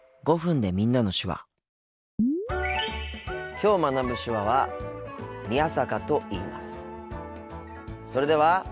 きょう学ぶ手話はそれでは。